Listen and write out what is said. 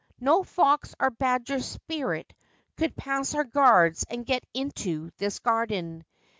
No fox or badger spirit could pass our guards and get into this garden.